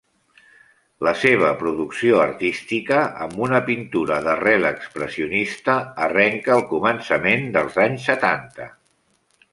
La seva producció artística, amb una pintura d'arrel expressionista, arrenca al començament dels anys setanta.